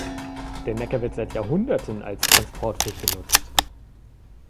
Der Neckar wird seit Jahrhunderten als Transportweg genutzt.